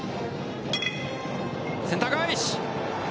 センター返し。